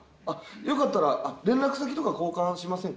よかったら連絡先とか交換しませんか？